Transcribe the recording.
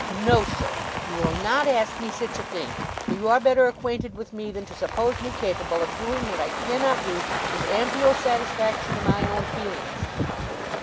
No, sir! You will not ask me sich a thing, for you are better acquainted with me than to suppose me capable of doing what I cannot do with ampial satisfaction to my own feelings!